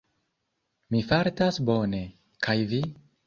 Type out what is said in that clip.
Mi fartas bone, kaj vi?